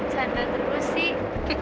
contoh terus sih